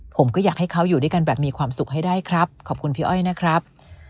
ผมก็อยากให้เขาอยู่ด้วยกันแบบมีความสุขให้ได้ครับขอบคุณพี่อ้อยนะครับ